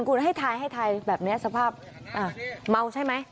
คุณให้ทายให้ทายแบบนี้สภาพเมาใช่ไหม